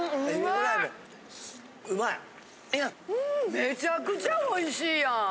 めちゃくちゃおいしいやん！